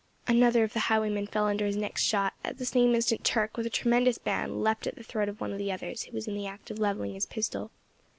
Another of the highwaymen fell under his next shot; at the same instant Turk, with a tremendous bound, leapt at the throat of one of the others who was in the act of levelling his pistol.